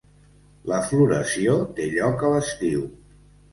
La floració té lloc a l'estiu.